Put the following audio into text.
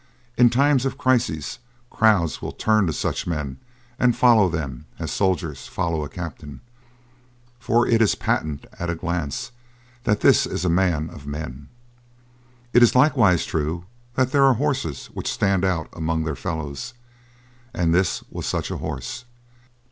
In times of crises crowds will turn to such men and follow them as soldiers follow a captain; for it is patent at a glance that this is a man of men. It is likewise true that there are horses which stand out among their fellows, and this was such a horse.